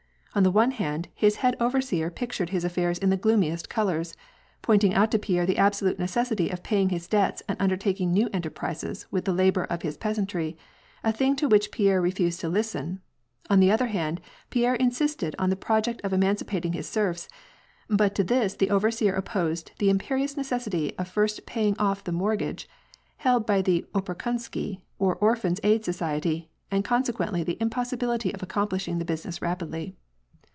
On the one hand, his head overseer pictured his affairs in the gloomiest colors, pointing out to Pierre the absohite necessity of paying his debts and undertaking new enterprises with the labor of his peasantry', a thing to which Pierre refused to listen ; on the other hand, Pierre insisted on the project of emancipating his serfs, but to this the overseer opposed the imperious neces sity of first paying the mortgage held by the Opekunsky, or Orphan's Aid Society, and consequently the impossibility of accomplishing the business rapidly.